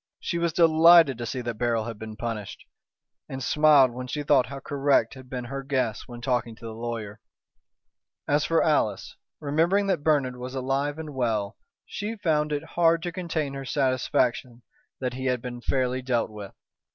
She was delighted to see that Beryl had been punished, and smiled when she thought how correct had been her guess when talking to the lawyer. As for Alice, remembering that Bernard was alive and well, she found it hard to contain her satisfaction that he had been fairly dealt with.